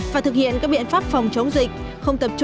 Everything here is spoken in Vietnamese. và thực hiện các biện pháp phòng chống dịch